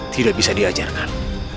tidak bisa diajarkan